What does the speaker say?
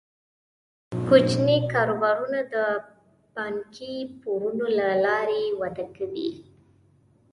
کوچني کاروبارونه د بانکي پورونو له لارې وده کوي.